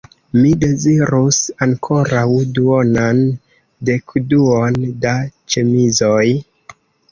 Mi dezirus ankoraŭ duonan dekduon da ĉemizoj.